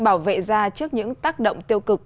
bảo vệ da trước những tác động tiêu cực